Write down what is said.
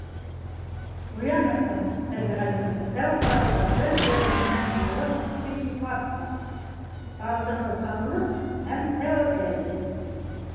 Ҡуяновтың тәбиғәтендә тәү ҡарауға бер-береһенән алыҫ ике сифат бар: тартыныусанлыҡ һәм тәүәккәллек.